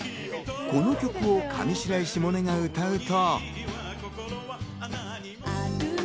この曲を上白石萌音が歌うと。